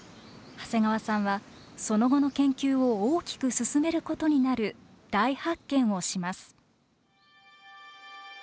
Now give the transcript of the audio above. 長谷川さんはその後の研究を大きく進めることになる大発見をします。